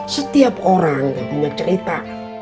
setiap orang gak punya cerita